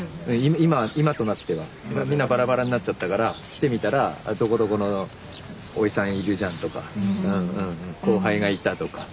今となってはみんなバラバラになっちゃったから来てみたら「どこどこのおじさんいるじゃん」とか後輩がいたとか。